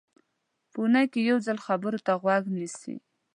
په اوونۍ کې یو ځل خبرو ته غوږ نیسي.